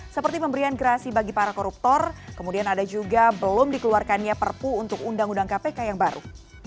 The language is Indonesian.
seperti pemberian gerasi bagi para koruptor kemudian ada juga belum dikeluarkannya perpu untuk undang undang kpk yang baru